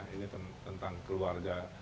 ini tentang keluarga